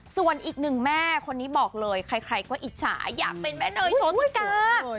ส่วนอีกหนึ่งแม่คนนี้บอกเลยใครก็อิจฉาอยากเป็นแม่เนยโชติกา